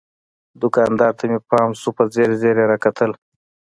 دوکاندار ته مې پام شو، په ځیر ځیر یې را کتل.